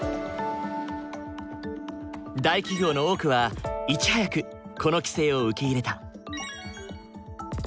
大企業の多くはいち早くこの規制を受け入れた。